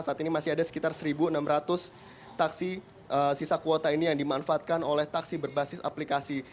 saat ini masih ada sekitar satu enam ratus taksi sisa kuota ini yang dimanfaatkan oleh taksi berbasis aplikasi